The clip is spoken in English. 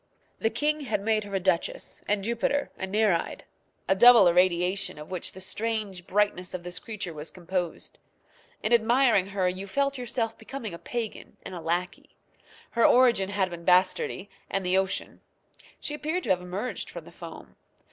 The king had made her a duchess, and Jupiter a Nereid a double irradiation of which the strange, brightness of this creature was composed. In admiring her you felt yourself becoming a pagan and a lackey. Her origin had been bastardy and the ocean. She appeared to have emerged from the foam.